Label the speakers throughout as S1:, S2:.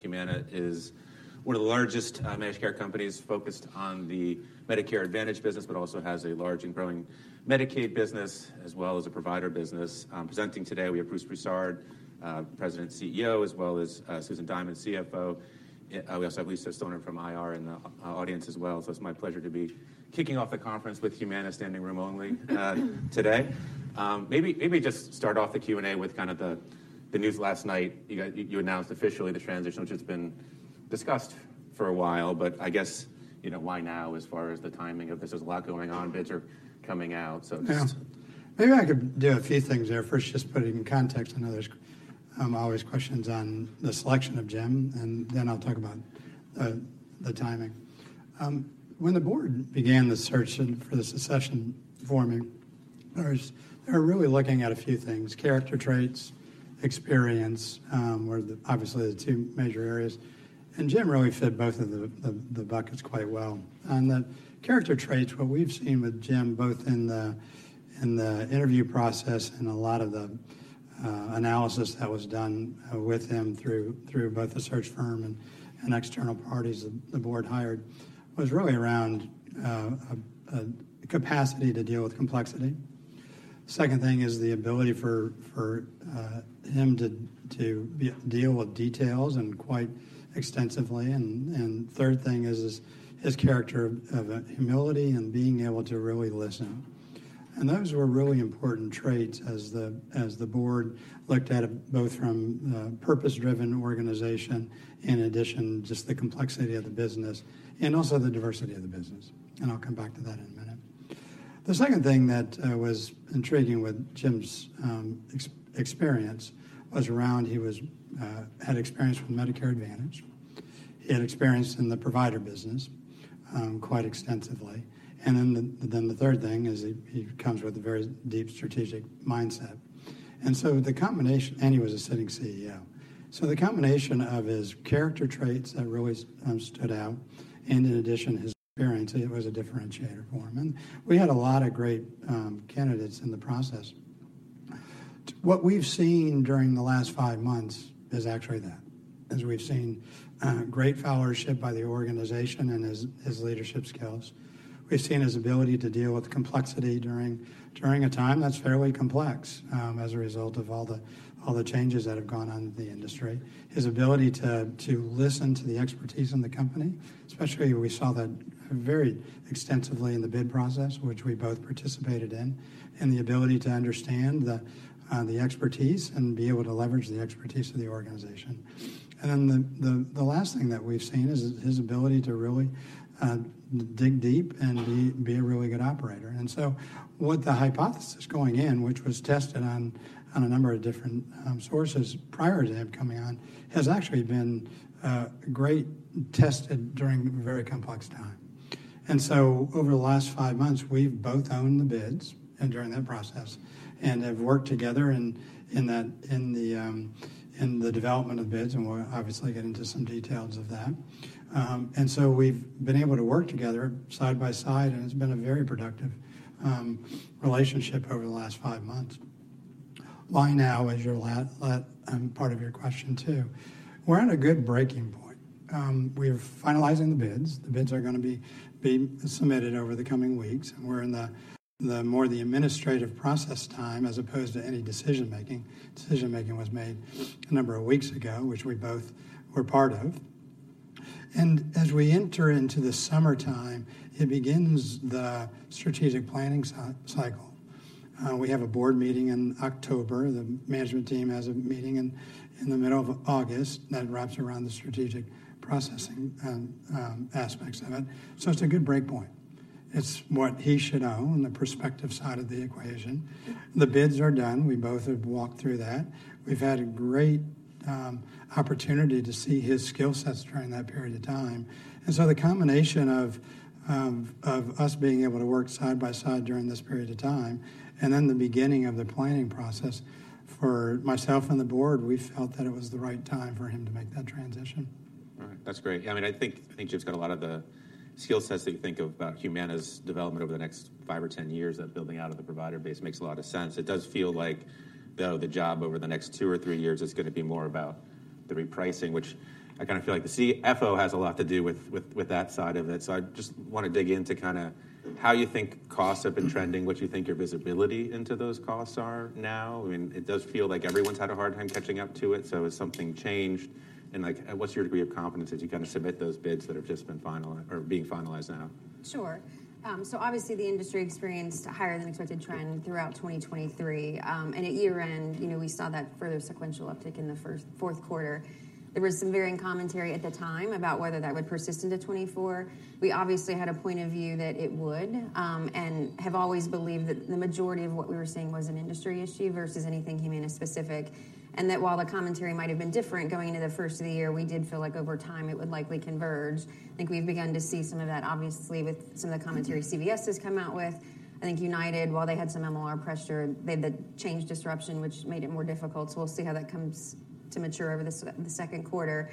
S1: Humana is one of the largest Medicare companies focused on the Medicare Advantage business, but also has a large and growing Medicaid business as well as a provider business. Presenting today, we have Bruce Broussard, President and CEO, as well as Susan Diamond, CFO. We also have Lisa Stoner from IR in the audience as well. So it's my pleasure to be kicking off the conference with Humana standing room only today. Maybe just start off the Q&A with kind of the news last night. You announced officially the transition, which has been discussed for a while, but I guess why now as far as the timing of this? There's a lot going on. Bids are coming out, so just.
S2: Yeah. Maybe I could do a few things there. First, just putting in context. I know there's always questions on the selection of Jim, and then I'll talk about the timing. When the board began the search for the succession for me, they were really looking at a few things: character traits, experience were obviously the two major areas. And Jim really fit both of the buckets quite well. On the character traits, what we've seen with Jim, both in the interview process and a lot of the analysis that was done with him through both the search firm and external parties the board hired, was really around a capacity to deal with complexity. Second thing is the ability for him to deal with details and quite extensively. And third thing is his character of humility and being able to really listen. Those were really important traits as the board looked at both from a purpose-driven organization, in addition, just the complexity of the business, and also the diversity of the business. I'll come back to that in a minute. The second thing that was intriguing with Jim's experience was around he had experience with Medicare Advantage. He had experience in the provider business quite extensively. The third thing is he comes with a very deep strategic mindset. The combination and he was a sitting CEO. So the combination of his character traits that really stood out, and in addition, his experience, it was a differentiator for him. We had a lot of great candidates in the process. What we've seen during the last five months is actually that, as we've seen great followership by the organization and his leadership skills. We've seen his ability to deal with complexity during a time that's fairly complex as a result of all the changes that have gone on in the industry, his ability to listen to the expertise in the company, especially we saw that very extensively in the bid process, which we both participated in, and the ability to understand the expertise and be able to leverage the expertise of the organization. The last thing that we've seen is his ability to really dig deep and be a really good operator. What the hypothesis going in, which was tested on a number of different sources prior to him coming on, has actually been greatly tested during a very complex time. Over the last five months, we've both owned the bids during that process and have worked together in the development of bids. And we'll obviously get into some details of that. And so we've been able to work together side by side, and it's been a very productive relationship over the last 5 months. Why now is part of your question too. We're at a good breaking point. We're finalizing the bids. The bids are going to be submitted over the coming weeks. And we're in more the administrative process time as opposed to any decision-making. Decision-making was made a number of weeks ago, which we both were part of. And as we enter into the summertime, it begins the strategic planning cycle. We have a board meeting in October. The management team has a meeting in the middle of August that wraps around the strategic processing aspects of it. So it's a good breakpoint. It's what he should own the prospective side of the equation. The bids are done. We both have walked through that. We've had a great opportunity to see his skill sets during that period of time. And so the combination of us being able to work side by side during this period of time and then the beginning of the planning process for myself and the board. We felt that it was the right time for him to make that transition.
S1: All right. That's great. Yeah. I mean, I think Jim's got a lot of the skill sets that you think of about Humana's development over the next five or 10 years that building out of the provider base makes a lot of sense. It does feel like, though, the job over the next two or three years is going to be more about the repricing, which I kind of feel like the CFO has a lot to do with that side of it. So I just want to dig into kind of how you think costs have been trending, what you think your visibility into those costs are now. I mean, it does feel like everyone's had a hard time catching up to it. So has something changed? And what's your degree of confidence as you kind of submit those bids that have just been finalized or being finalized now?
S3: Sure. So obviously, the industry experienced a higher-than-expected trend throughout 2023. At year-end, we saw that further sequential uptick in the fourth quarter. There was some varying commentary at the time about whether that would persist into 2024. We obviously had a point of view that it would and have always believed that the majority of what we were seeing was an industry issue versus anything Humana-specific. And that while the commentary might have been different going into the first of the year, we did feel like over time it would likely converge. I think we've begun to see some of that, obviously, with some of the commentary CVS has come out with. I think United, while they had some MLR pressure, they had the change disruption, which made it more difficult. So we'll see how that comes to mature over the second quarter.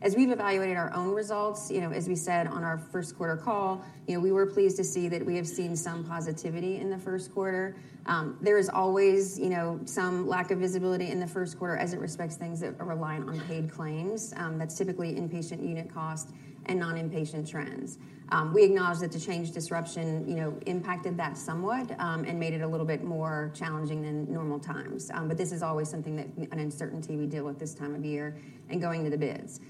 S3: As we've evaluated our own results, as we said on our first quarter call, we were pleased to see that we have seen some positivity in the first quarter. There is always some lack of visibility in the first quarter as it respects things that rely on paid claims. That's typically inpatient unit cost and non-inpatient trends. We acknowledge that the change disruption impacted that somewhat and made it a little bit more challenging than normal times. But this is always something that an uncertainty we deal with this time of year and going into the bids.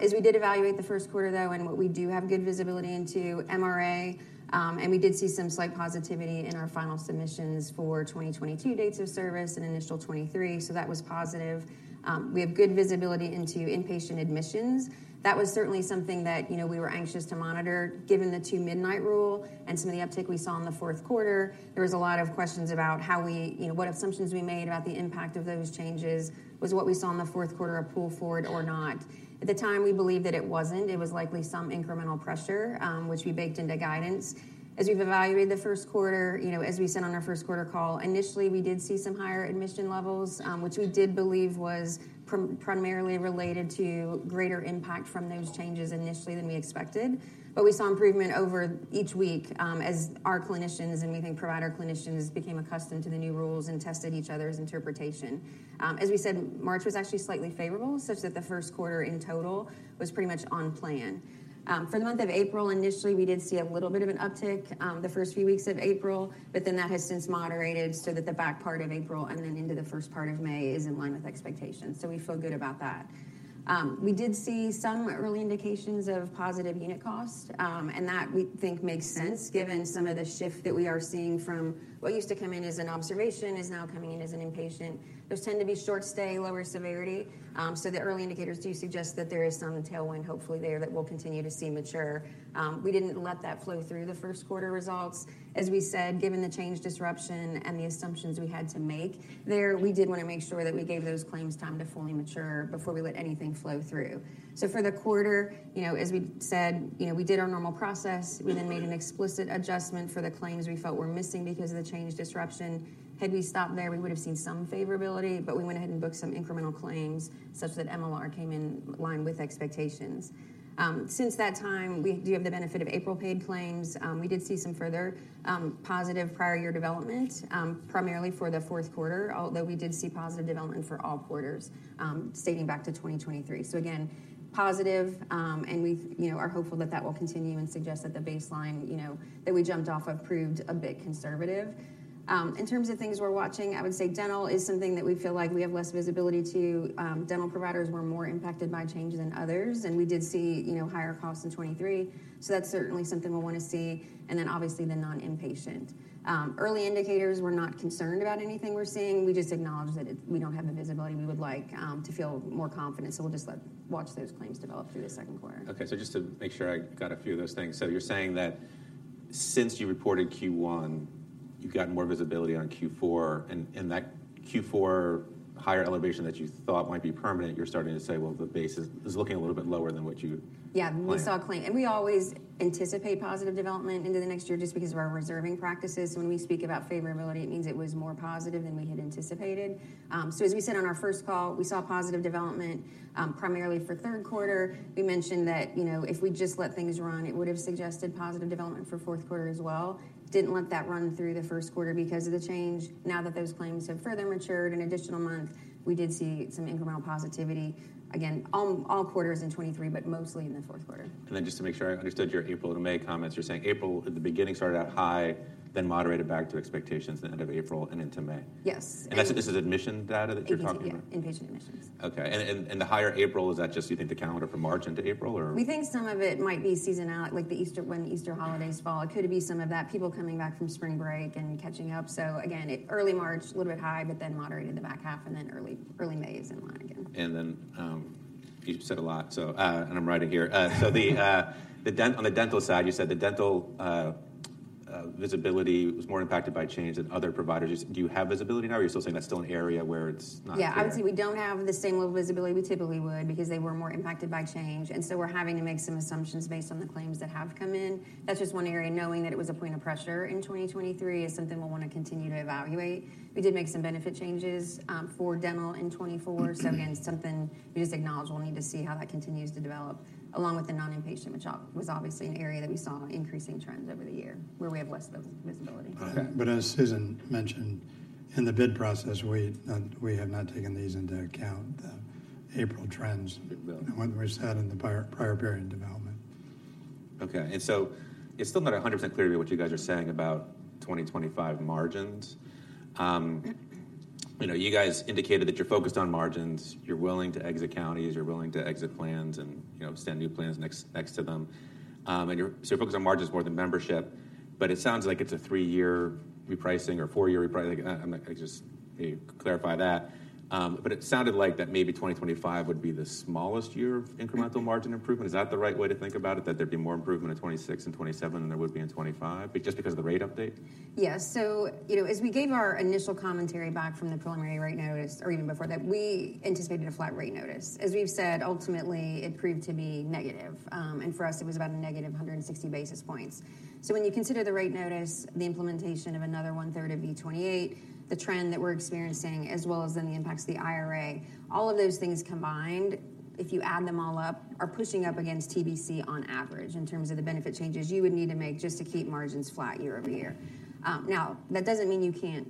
S3: As we did evaluate the first quarter, though, and what we do have good visibility into, MRA, and we did see some slight positivity in our final submissions for 2022 dates of service and initial 2023. So that was positive. We have good visibility into inpatient admissions. That was certainly something that we were anxious to monitor given the Two-Midnight Rule and some of the uptick we saw in the fourth quarter. There was a lot of questions about what assumptions we made about the impact of those changes. Was what we saw in the fourth quarter a pull forward or not? At the time, we believed that it wasn't. It was likely some incremental pressure, which we baked into guidance. As we've evaluated the first quarter, as we sent on our first quarter call, initially, we did see some higher admission levels, which we did believe was primarily related to greater impact from those changes initially than we expected. But we saw improvement over each week as our clinicians and, we think, provider clinicians became accustomed to the new rules and tested each other's interpretation. As we said, March was actually slightly favorable such that the first quarter in total was pretty much on plan. For the month of April, initially, we did see a little bit of an uptick the first few weeks of April, but then that has since moderated so that the back part of April and then into the first part of May is in line with expectations. So we feel good about that. We did see some early indications of positive unit cost, and that, we think, makes sense given some of the shift that we are seeing from what used to come in as an observation is now coming in as an inpatient. Those tend to be short-stay, lower severity. So the early indicators do suggest that there is some tailwind, hopefully, there that we'll continue to see mature. We didn't let that flow through the first quarter results. As we said, given the Change disruption and the assumptions we had to make there, we did want to make sure that we gave those claims time to fully mature before we let anything flow through. So for the quarter, as we said, we did our normal process. We then made an explicit adjustment for the claims we felt were missing because of the Change disruption. Had we stopped there, we would have seen some favorability, but we went ahead and booked some incremental claims such that MLR came in line with expectations. Since that time, we do have the benefit of April paid claims. We did see some further positive prior-year development, primarily for the fourth quarter, although we did see positive development for all quarters dating back to 2023. So again, positive, and we are hopeful that that will continue and suggest that the baseline that we jumped off of proved a bit conservative. In terms of things we're watching, I would say dental is something that we feel like we have less visibility to. Dental providers were more impacted by changes than others, and we did see higher costs in 2023. So that's certainly something we'll want to see. And then obviously, the non-inpatient. Early indicators, we're not concerned about anything we're seeing. We just acknowledge that we don't have the visibility we would like to feel more confident. So we'll just watch those claims develop through the second quarter.
S1: Okay. So just to make sure I got a few of those things. So you're saying that since you reported Q1, you've gotten more visibility on Q4. And that Q4 higher elevation that you thought might be permanent, you're starting to say, "Well, the base is looking a little bit lower than what you planned.
S3: Yeah. We saw a claim. We always anticipate positive development into the next year just because of our reserving practices. So when we speak about favorability, it means it was more positive than we had anticipated. So as we said on our first call, we saw positive development primarily for third quarter. We mentioned that if we just let things run, it would have suggested positive development for fourth quarter as well. Didn't let that run through the first quarter because of the change. Now that those claims have further matured, an additional month, we did see some incremental positivity, again, all quarters in 2023, but mostly in the fourth quarter.
S1: And then just to make sure I understood your April to May comments, you're saying April at the beginning started out high, then moderated back to expectations the end of April and into May.
S3: Yes.
S1: This is admission data that you're talking about?
S3: Inpatient admissions.
S1: Okay. And the higher April, is that just, you think, the calendar from March into April, or?
S3: We think some of it might be seasonal when the Easter holidays fall. It could have been some of that, people coming back from spring break and catching up. So again, early March, a little bit high, but then moderated the back half, and then early May is in line again.
S1: And then you said a lot, and I'm writing here. So on the dental side, you said the dental visibility was more impacted by Change than other providers. Do you have visibility now, or are you still saying that's still an area where it's not?
S3: Yeah. I would say we don't have the same level of visibility we typically would because they were more impacted by change. And so we're having to make some assumptions based on the claims that have come in. That's just one area. Knowing that it was a point of pressure in 2023 is something we'll want to continue to evaluate. We did make some benefit changes for dental in 2024. So again, something we just acknowledge. We'll need to see how that continues to develop along with the non-inpatient, which was obviously an area that we saw increasing trends over the year where we have less visibility.
S2: Okay. But as Susan mentioned, in the bid process, we have not taken these into account, the April trends, what we said in the prior period development.
S1: Okay. And so it's still not 100% clear to me what you guys are saying about 2025 margins. You guys indicated that you're focused on margins. You're willing to exit counties. You're willing to exit plans and extend new plans next to them. So you're focused on margins more than membership. But it sounds like it's a three-year repricing or four-year repricing. I'm going to just clarify that. But it sounded like that maybe 2025 would be the smallest year of incremental margin improvement. Is that the right way to think about it, that there'd be more improvement in 2026 and 2027 than there would be in 2025 just because of the rate update?
S3: Yes. So as we gave our initial commentary back from the preliminary rate notice or even before that, we anticipated a flat rate notice. As we've said, ultimately, it proved to be negative. And for us, it was about a negative 160 basis points. So when you consider the rate notice, the implementation of another one-third of V28, the trend that we're experiencing, as well as then the impacts of the IRA, all of those things combined, if you add them all up, are pushing up against TBC on average in terms of the benefit changes you would need to make just to keep margins flat year-over-year. Now, that doesn't mean you can't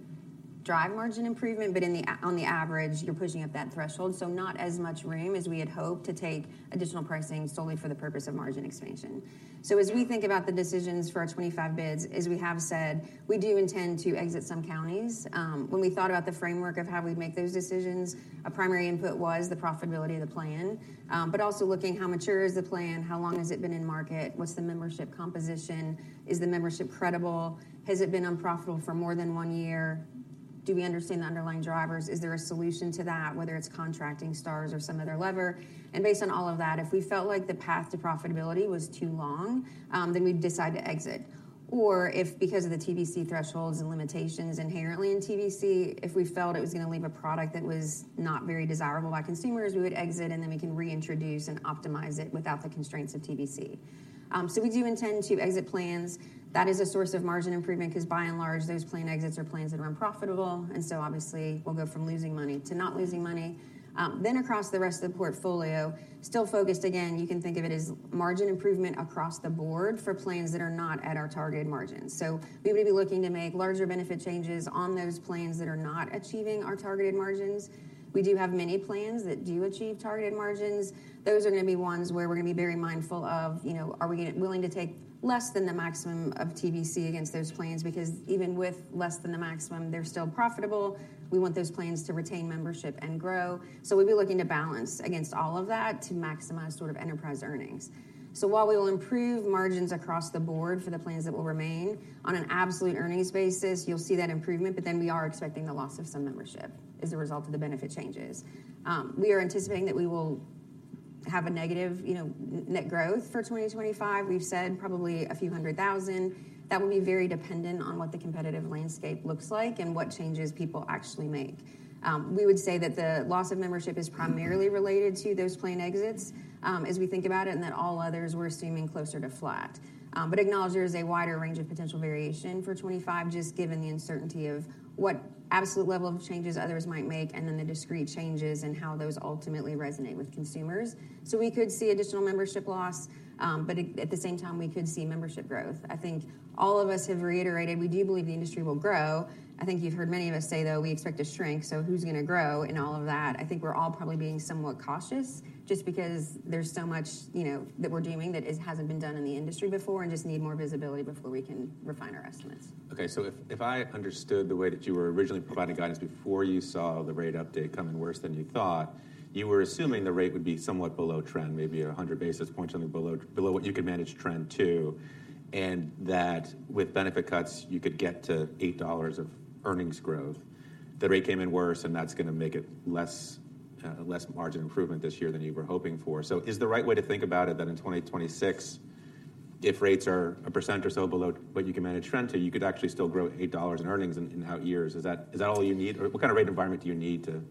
S3: drive margin improvement, but on the average, you're pushing up that threshold. So not as much room as we had hoped to take additional pricing solely for the purpose of margin expansion. So as we think about the decisions for our 25 bids, as we have said, we do intend to exit some counties. When we thought about the framework of how we'd make those decisions, a primary input was the profitability of the plan, but also looking at how mature is the plan, how long has it been in market, what's the membership composition, is the membership credible, has it been unprofitable for more than one year, do we understand the underlying drivers, is there a solution to that, whether it's contracting stars or some other lever. Based on all of that, if we felt like the path to profitability was too long, then we'd decide to exit. Or if because of the TBC thresholds and limitations inherently in TBC, if we felt it was going to leave a product that was not very desirable by consumers, we would exit, and then we can reintroduce and optimize it without the constraints of TBC. So we do intend to exit plans. That is a source of margin improvement because by and large, those plan exits are plans that run profitable. And so obviously, we'll go from losing money to not losing money. Then across the rest of the portfolio, still focused, again, you can think of it as margin improvement across the board for plans that are not at our targeted margins. So we would be looking to make larger benefit changes on those plans that are not achieving our targeted margins. We do have many plans that do achieve targeted margins. Those are going to be ones where we're going to be very mindful of—are we willing to take less than the maximum of TBC against those plans? Because even with less than the maximum, they're still profitable. We want those plans to retain membership and grow. So we'd be looking to balance against all of that to maximize sort of enterprise earnings. So while we will improve margins across the board for the plans that will remain on an absolute earnings basis, you'll see that improvement, but then we are expecting the loss of some membership as a result of the benefit changes. We are anticipating that we will have a negative net growth for 2025. We've said probably a few hundred thousand. That will be very dependent on what the competitive landscape looks like and what changes people actually make. We would say that the loss of membership is primarily related to those plan exits as we think about it and that all others we're assuming closer to flat. But acknowledge there is a wider range of potential variation for 2025 just given the uncertainty of what absolute level of changes others might make and then the discrete changes and how those ultimately resonate with consumers. So we could see additional membership loss, but at the same time, we could see membership growth. I think all of us have reiterated we do believe the industry will grow. I think you've heard many of us say, though, we expect a shrink. So who's going to grow in all of that? I think we're all probably being somewhat cautious just because there's so much that we're doing that hasn't been done in the industry before and just need more visibility before we can refine our estimates.
S1: Okay. So if I understood the way that you were originally providing guidance before you saw the rate update coming worse than you thought, you were assuming the rate would be somewhat below trend, maybe 100 basis points, something below what you could manage trend to, and that with benefit cuts, you could get to $8 of earnings growth. The rate came in worse, and that's going to make it less margin improvement this year than you were hoping for. So is the right way to think about it, that in 2026, if rates are 1% or so below what you can manage trend to, you could actually still grow $8 in earnings in out years? Is that all you need, or what kind of rate environment do you need to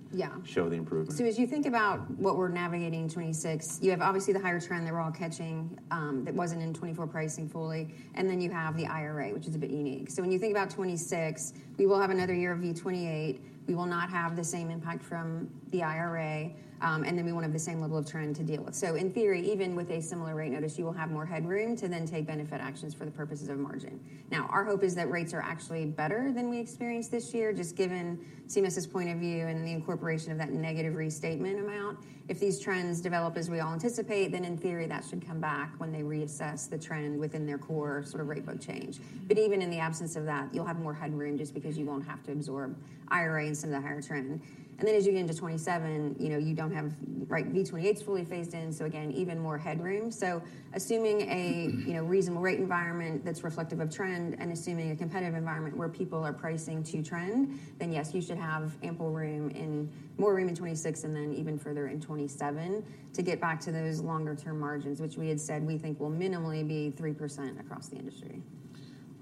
S1: show the improvement?
S3: Yeah. So as you think about what we're navigating 2026, you have obviously the higher trend that we're all catching that wasn't in 2024 pricing fully. And then you have the IRA, which is a bit unique. So when you think about 2026, we will have another year of V28. We will not have the same impact from the IRA, and then we won't have the same level of trend to deal with. So in theory, even with a similar rate notice, you will have more headroom to then take benefit actions for the purposes of margin. Now, our hope is that rates are actually better than we experienced this year just given CMS's point of view and the incorporation of that negative restatement amount. If these trends develop as we all anticipate, then in theory, that should come back when they reassess the trend within their core sort of rate book change. But even in the absence of that, you'll have more headroom just because you won't have to absorb IRA and some of the higher trend. And then as you get into 2027, you don't have V28s fully phased in. So again, even more headroom. So assuming a reasonable rate environment that's reflective of trend and assuming a competitive environment where people are pricing to trend, then yes, you should have ample room in more room in 2026 and then even further in 2027 to get back to those longer-term margins, which we had said we think will minimally be 3% across the industry.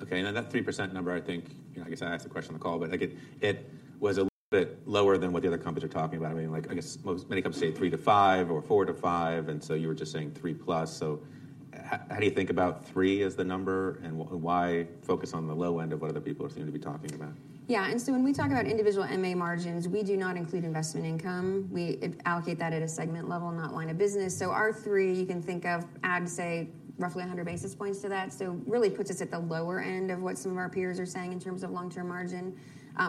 S1: Okay. Now, that 3% number, I guess I asked the question on the call, but it was a little bit lower than what the other companies are talking about. I mean, I guess many companies say 3%-5% or 4%-5%, and so you were just saying 3%+. So how do you think about 3% as the number, and why focus on the low end of what other people are seeming to be talking about?
S3: Yeah. And so when we talk about individual MA margins, we do not include investment income. We allocate that at a segment level, not line of business. So our 3, you can think of add, say, roughly 100 basis points to that. So really puts us at the lower end of what some of our peers are saying in terms of long-term margin.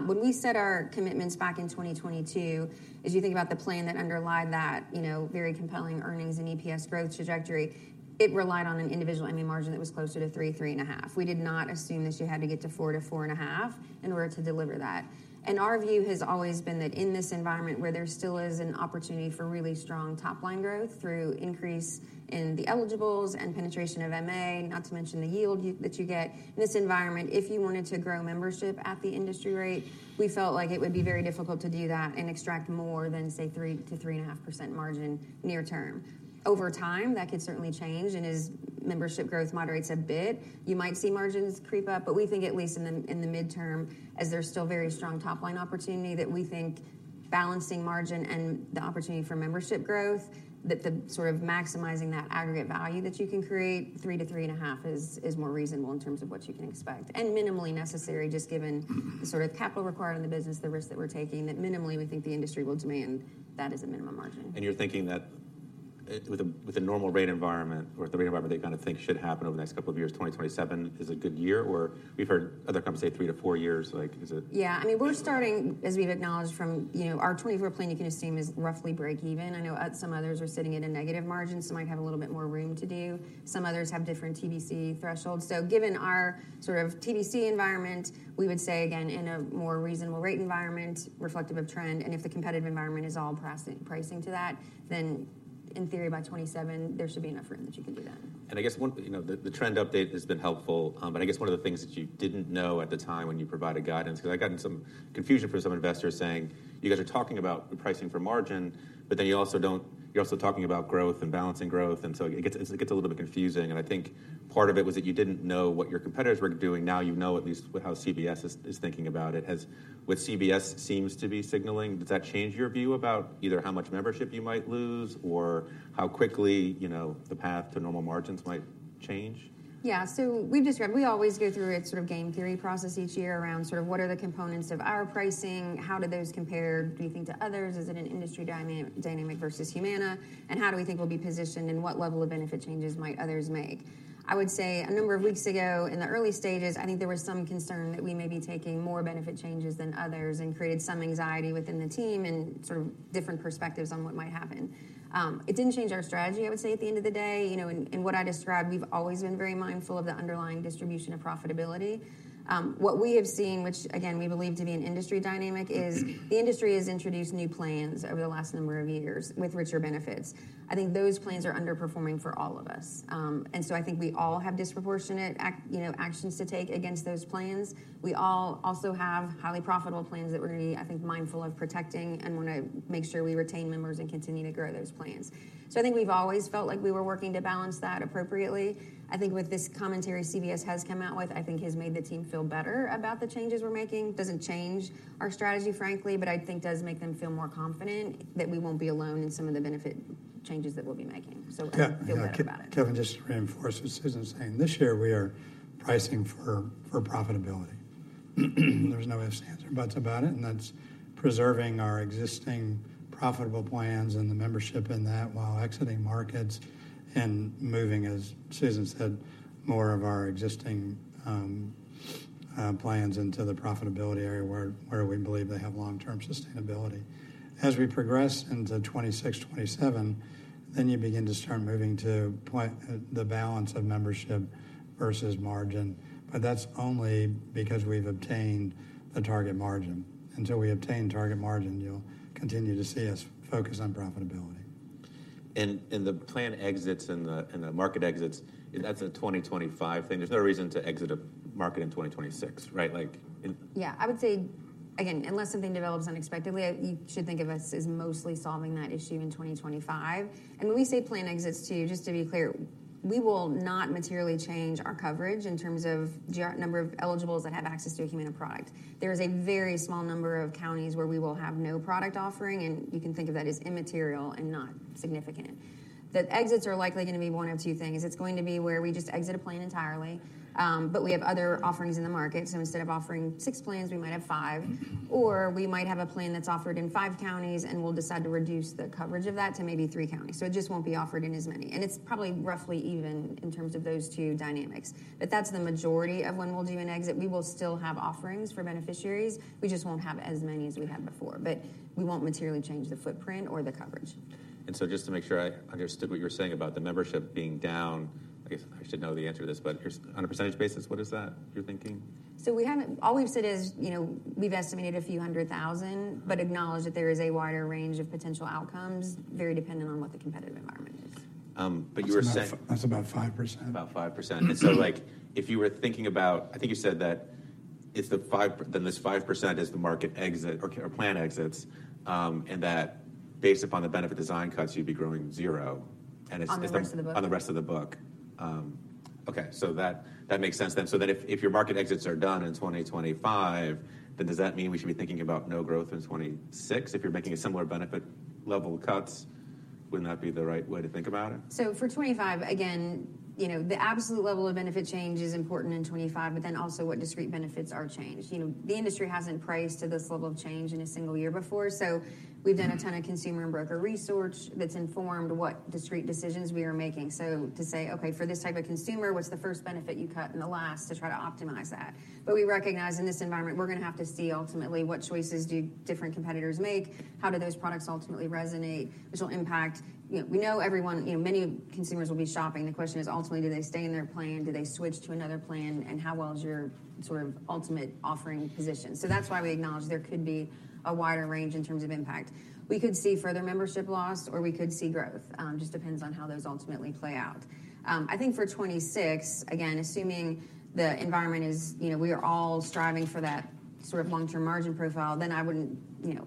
S3: When we set our commitments back in 2022, as you think about the plan that underlied that very compelling earnings and EPS growth trajectory, it relied on an individual MA margin that was closer to 3, 3.5. We did not assume that you had to get to 4-4.5 in order to deliver that. Our view has always been that in this environment where there still is an opportunity for really strong top-line growth through increase in the eligibles and penetration of MA, not to mention the yield that you get in this environment, if you wanted to grow membership at the industry rate, we felt like it would be very difficult to do that and extract more than, say, 3%-3.5% margin near-term. Over time, that could certainly change. As membership growth moderates a bit, you might see margins creep up. But we think at least in the midterm, as there's still very strong top-line opportunity, that we think balancing margin and the opportunity for membership growth, that sort of maximizing that aggregate value that you can create, 3-3.5 is more reasonable in terms of what you can expect and minimally necessary just given the sort of capital required in the business, the risks that we're taking, that minimally we think the industry will demand that as a minimum margin.
S1: You're thinking that with a normal rate environment or the rate environment they kind of think should happen over the next couple of years, 2027 is a good year, or we've heard other companies say 3-4 years. Is it?
S3: Yeah. I mean, we're starting, as we've acknowledged, from our 2024 plan, you can assume is roughly break even. I know some others are sitting at a negative margin, so might have a little bit more room to do. Some others have different TBC thresholds. So given our sort of TBC environment, we would say, again, in a more reasonable rate environment reflective of trend. And if the competitive environment is all pricing to that, then in theory, by 2027, there should be enough room that you can do that.
S1: I guess the trend update has been helpful. I guess one of the things that you didn't know at the time when you provided guidance because I've gotten some confusion from some investors saying, "You guys are talking about pricing for margin, but then you're also talking about growth and balancing growth." So it gets a little bit confusing. I think part of it was that you didn't know what your competitors were doing. Now you know at least how CVS is thinking about it. With CVS seems to be signaling, does that change your view about either how much membership you might lose or how quickly the path to normal margins might change?
S3: Yeah. So we always go through a sort of game theory process each year around sort of what are the components of our pricing? How do those compare, do you think, to others? Is it an industry dynamic versus Humana? And how do we think we'll be positioned, and what level of benefit changes might others make? I would say a number of weeks ago in the early stages, I think there was some concern that we may be taking more benefit changes than others and created some anxiety within the team and sort of different perspectives on what might happen. It didn't change our strategy, I would say, at the end of the day. In what I described, we've always been very mindful of the underlying distribution of profitability. What we have seen, which again, we believe to be an industry dynamic, is the industry has introduced new plans over the last number of years with richer benefits. I think those plans are underperforming for all of us. So I think we all have disproportionate actions to take against those plans. We all also have highly profitable plans that we're going to be, I think, mindful of protecting and want to make sure we retain members and continue to grow those plans. So I think we've always felt like we were working to balance that appropriately. I think with this commentary CVS has come out with, I think has made the team feel better about the changes we're making. Doesn't change our strategy, frankly, but I think does make them feel more confident that we won't be alone in some of the benefit changes that we'll be making. I feel better about it.
S2: Kevin just reinforced what Susan's saying. This year, we are pricing for profitability. There's no ifs, ands, or buts about it. And that's preserving our existing profitable plans and the membership in that while exiting markets and moving, as Susan said, more of our existing plans into the profitability area where we believe they have long-term sustainability. As we progress into 2026, 2027, then you begin to start moving to the balance of membership versus margin. But that's only because we've obtained the target margin. Until we obtain target margin, you'll continue to see us focus on profitability.
S1: The plan exits and the market exits, that's a 2025 thing. There's no reason to exit a market in 2026, right?
S3: Yeah. I would say, again, unless something develops unexpectedly, you should think of us as mostly solving that issue in 2025. When we say plan exits too, just to be clear, we will not materially change our coverage in terms of the number of eligibles that have access to a Humana product. There is a very small number of counties where we will have no product offering, and you can think of that as immaterial and not significant. The exits are likely going to be 1 of 2 things. It's going to be where we just exit a plan entirely, but we have other offerings in the market. So instead of offering 6 plans, we might have 5. Or we might have a plan that's offered in 5 counties, and we'll decide to reduce the coverage of that to maybe 3 counties. It just won't be offered in as many. It's probably roughly even in terms of those two dynamics. That's the majority of when we'll do an exit. We will still have offerings for beneficiaries. We just won't have as many as we had before. We won't materially change the footprint or the coverage.
S1: And so just to make sure I understood what you were saying about the membership being down, I guess I should know the answer to this, but on a percentage basis, what is that you're thinking?
S3: All we've said is we've estimated a few hundred thousand but acknowledged that there is a wider range of potential outcomes very dependent on what the competitive environment is.
S1: You were saying.
S2: That's about 5%.
S1: About 5%. And so, if you were thinking about—I think you said that—then this 5% is the market exit or plan exits, and that, based upon the benefit design cuts, you'd be growing zero.
S3: On the rest of the book.
S1: On the rest of the book. Okay. So that makes sense then. So then if your market exits are done in 2025, then does that mean we should be thinking about no growth in 2026? If you're making a similar benefit level cuts, wouldn't that be the right way to think about it?
S3: So for 2025, again, the absolute level of benefit change is important in 2025, but then also what discrete benefits are changed. The industry hasn't priced to this level of change in a single year before. So we've done a ton of consumer and broker research that's informed what discrete decisions we are making. So to say, "Okay, for this type of consumer, what's the first benefit you cut and the last to try to optimize that?" But we recognize in this environment, we're going to have to see ultimately what choices do different competitors make? How do those products ultimately resonate, which will impact we know everyone, many consumers will be shopping. The question is, ultimately, do they stay in their plan? Do they switch to another plan? And how well is your sort of ultimate offering positioned? So that's why we acknowledge there could be a wider range in terms of impact. We could see further membership loss, or we could see growth. Just depends on how those ultimately play out. I think for 2026, again, assuming the environment is we are all striving for that sort of long-term margin profile, then I wouldn't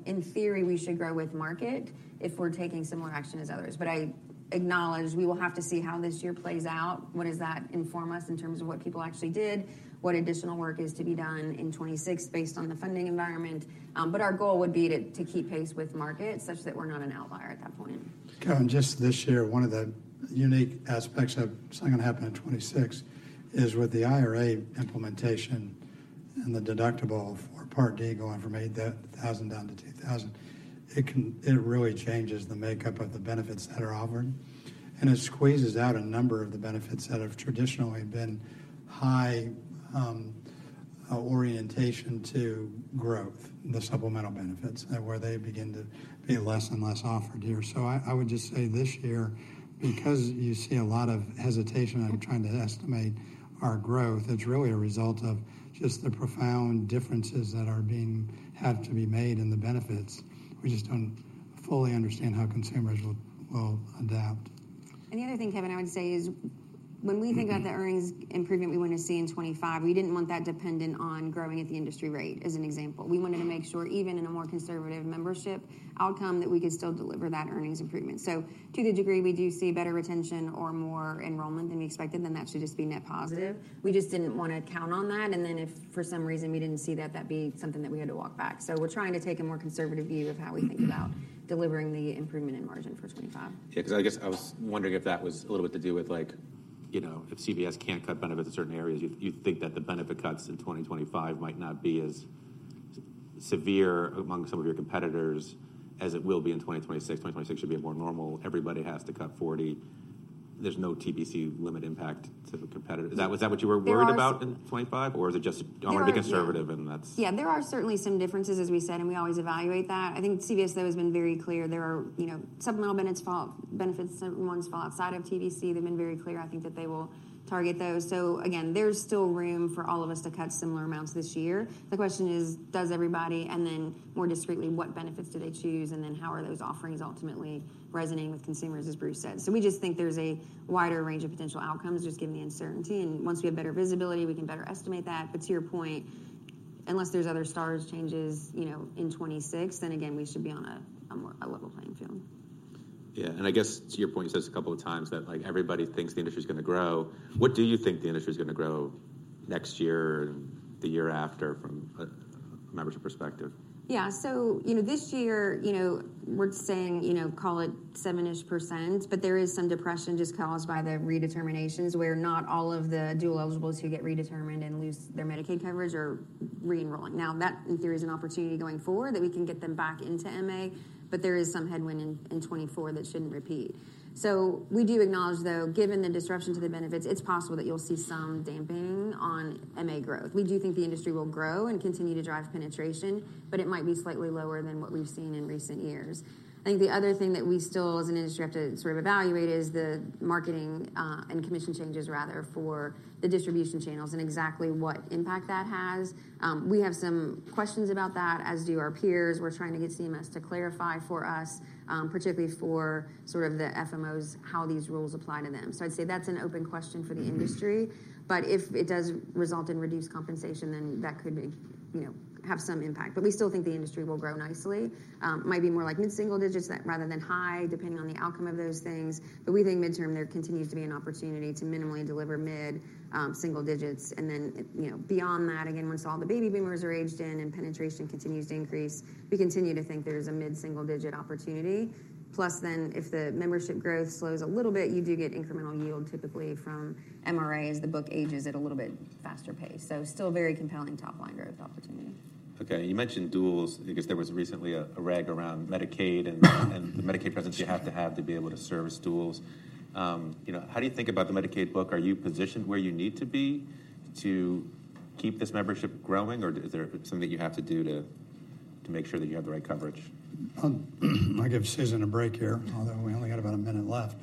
S3: in theory, we should grow with market if we're taking similar action as others. But I acknowledge we will have to see how this year plays out. What does that inform us in terms of what people actually did, what additional work is to be done in 2026 based on the funding environment? But our goal would be to keep pace with market such that we're not an outlier at that point. Kevin, just this year, one of the unique aspects of something going to happen in 2026 is with the IRA implementation and the deductible for Part D going from 8,000 down to 2,000. It really changes the makeup of the benefits that are offered. And it squeezes out a number of the benefits that have traditionally been high orientation to growth, the supplemental benefits, where they begin to be less and less offered here. So I would just say this year, because you see a lot of hesitation in trying to estimate our growth, it's really a result of just the profound differences that have to be made in the benefits. We just don't fully understand how consumers will adapt. And the other thing, Kevin, I would say is when we think about the earnings improvement we want to see in 2025, we didn't want that dependent on growing at the industry rate as an example. We wanted to make sure even in a more conservative membership outcome that we could still deliver that earnings improvement. So to the degree we do see better retention or more enrollment than we expected, then that should just be net positive. We just didn't want to count on that. And then if for some reason we didn't see that, that'd be something that we had to walk back. So we're trying to take a more conservative view of how we think about delivering the improvement in margin for 2025.
S1: Yeah. Because I guess I was wondering if that was a little bit to do with if CVS can't cut benefits in certain areas, you think that the benefit cuts in 2025 might not be as severe among some of your competitors as it will be in 2026. 2026 should be more normal. Everybody has to cut 40. There's no TBC limit impact to competitors. Is that what you were worried about in 2025, or is it just I want to be conservative, and that's?
S3: Yeah. There are certainly some differences, as we said, and we always evaluate that. I think CVS, though, has been very clear. Supplemental benefits some tout outside of TBC. They've been very clear, I think, that they will target those. So again, there's still room for all of us to cut similar amounts this year. The question is, does everybody and then more discretely, what benefits do they choose? And then how are those offerings ultimately resonating with consumers, as Bruce said? So we just think there's a wider range of potential outcomes just given the uncertainty. And once we have better visibility, we can better estimate that. But to your point, unless there's other stars changes in 2026, then again, we should be on a level playing field.
S1: Yeah. I guess to your point, you said this a couple of times, that everybody thinks the industry is going to grow. What do you think the industry is going to grow next year and the year after from a membership perspective?
S3: Yeah. So this year, we're saying call it 7-ish%. But there is some depression just caused by the redeterminations where not all of the dual eligibles who get redetermined and lose their Medicaid coverage are re-enrolling. Now, that in theory is an opportunity going forward that we can get them back into MA. But there is some headwind in 2024 that shouldn't repeat. So we do acknowledge, though, given the disruption to the benefits, it's possible that you'll see some dampening on MA growth. We do think the industry will grow and continue to drive penetration, but it might be slightly lower than what we've seen in recent years. I think the other thing that we still as an industry have to sort of evaluate is the marketing and commission changes, rather, for the distribution channels and exactly what impact that has. We have some questions about that, as do our peers. We're trying to get CMS to clarify for us, particularly for sort of the FMOs, how these rules apply to them. So I'd say that's an open question for the industry. But if it does result in reduced compensation, then that could have some impact. But we still think the industry will grow nicely. Might be more like mid-single digits rather than high, depending on the outcome of those things. But we think midterm, there continues to be an opportunity to minimally deliver mid-single digits. And then beyond that, again, once all the baby boomers are aged in and penetration continues to increase, we continue to think there is a mid-single digit opportunity. Plus then, if the membership growth slows a little bit, you do get incremental yield, typically, from MRA as the book ages at a little bit faster pace. So still very compelling top-line growth opportunity.
S1: Okay. And you mentioned duals because there was recently a row around Medicaid and the Medicaid presence you have to have to be able to service duals. How do you think about the Medicaid book? Are you positioned where you need to be to keep this membership growing, or is there something that you have to do to make sure that you have the right coverage?
S2: I'll give Susan a break here, although we only got about a minute left.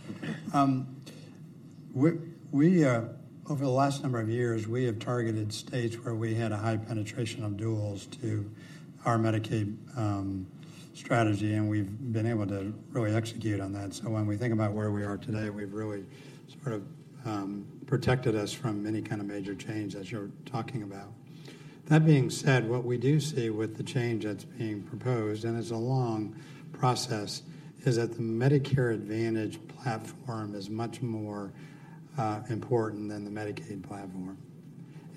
S2: Over the last number of years, we have targeted states where we had a high penetration of duals to our Medicaid strategy. And we've been able to really execute on that. So when we think about where we are today, we've really sort of protected us from any kind of major change that you're talking about. That being said, what we do see with the change that's being proposed and is a long process is that the Medicare Advantage platform is much more important than the Medicaid platform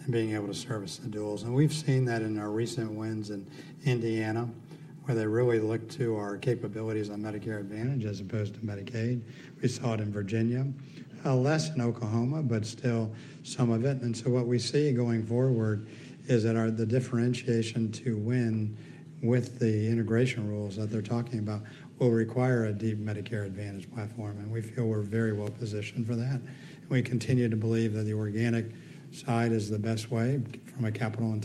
S2: and being able to service the duals. And we've seen that in our recent wins in Indiana, where they really looked to our capabilities on Medicare Advantage as opposed to Medicaid. We saw it in Virginia, less in Oklahoma, but still some of it. What we see going forward is that the differentiation to win with the integration rules that they're talking about will require a deep Medicare Advantage platform. We feel we're very well positioned for that. We continue to believe that the organic side is the best way from a capital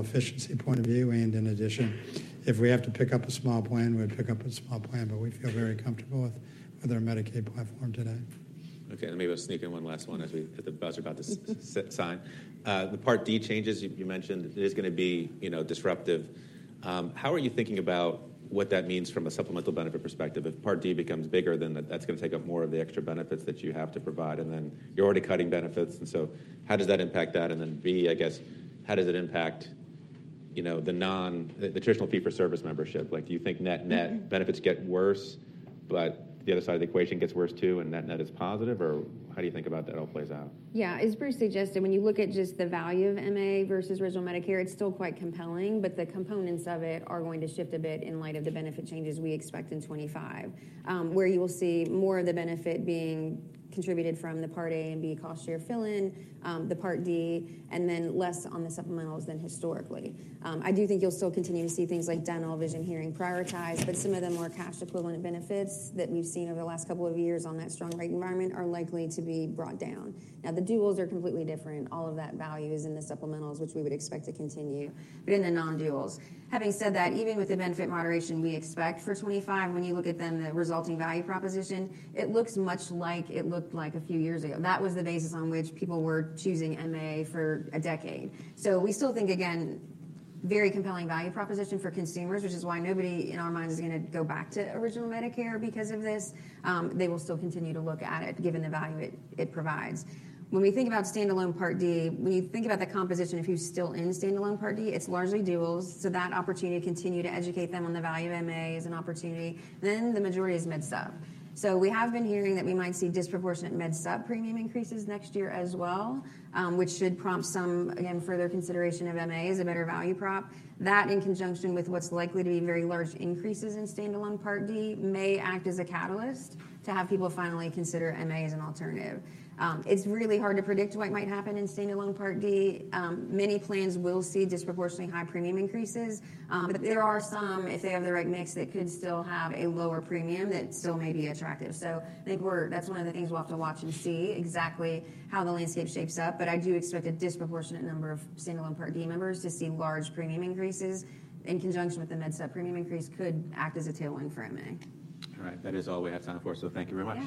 S2: efficiency point of view. In addition, if we have to pick up a small plan, we would pick up a small plan. But we feel very comfortable with our Medicaid platform today.
S1: Okay. Let me sneak in one last one as we hit the buzzer about this sign. The Part D changes, you mentioned it is going to be disruptive. How are you thinking about what that means from a supplemental benefit perspective? If Part D becomes bigger, then that's going to take up more of the extra benefits that you have to provide. And then you're already cutting benefits. And so how does that impact that? And then B, I guess, how does it impact the traditional fee-for-service membership? Do you think net-net benefits get worse, but the other side of the equation gets worse too and net-net is positive, or how do you think about that all plays out?
S3: Yeah. As Bruce suggested, when you look at just the value of MA versus original Medicare, it's still quite compelling. But the components of it are going to shift a bit in light of the benefit changes we expect in 2025, where you will see more of the benefit being contributed from the Part A and B cost-share fill-in, the Part D, and then less on the supplementals than historically. I do think you'll still continue to see things like dental, vision, hearing prioritized. But some of the more cash-equivalent benefits that we've seen over the last couple of years on that strong rate environment are likely to be brought down. Now, the duals are completely different. All of that value is in the supplementals, which we would expect to continue, but in the non-duals. Having said that, even with the benefit moderation we expect for 2025, when you look at them, the resulting value proposition, it looks much like it looked like a few years ago. That was the basis on which people were choosing MA for a decade. So we still think, again, very compelling value proposition for consumers, which is why nobody in our minds is going to go back to original Medicare because of this. They will still continue to look at it given the value it provides. When we think about standalone Part D, when you think about the composition of who's still in standalone Part D, it's largely duals. So that opportunity to continue to educate them on the value of MA is an opportunity. Then the majority is non-sub. So we have been hearing that we might see disproportionate non-sub premium increases next year as well, which should prompt some, again, further consideration of MA as a better value prop. That, in conjunction with what's likely to be very large increases in standalone Part D, may act as a catalyst to have people finally consider MA as an alternative. It's really hard to predict what might happen in standalone Part D. Many plans will see disproportionately high premium increases. But there are some, if they have the right mix, that could still have a lower premium that still may be attractive. So I think that's one of the things we'll have to watch and see exactly how the landscape shapes up. But I do expect a disproportionate number of standalone Part D members to see large premium increases. In conjunction with the non-sub premium increase, could act as a tailwind for MA.
S1: All right. That is all we have time for. So thank you very much.